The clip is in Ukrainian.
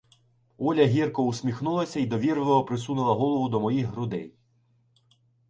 Оля гірко усміхнулася й довірливо присунула голову до моїх грудей.